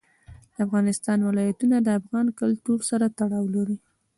د افغانستان ولايتونه د افغان کلتور سره تړاو لري.